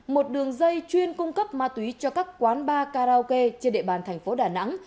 một đường dây chuyên cung cấp ma túy cho các quán bar karaoke trên địa bàn thành phố đà nẵng